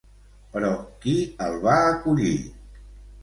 Però, qui el va acollir?